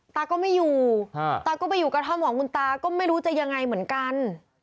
ตาก็ไม่อยู่ตาก็ไปอยู่กระท่อมของคุณตาก็ไม่รู้จะยังไงเหมือนกัน